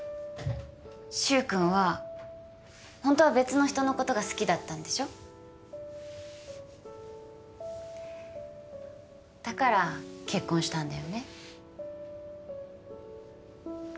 柊くんはホントは別の人のことが好きだったんでしょだから結婚したんだよね？